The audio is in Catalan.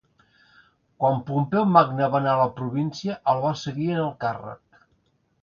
Quan Pompeu Magne va anar a la província el va seguir en el càrrec.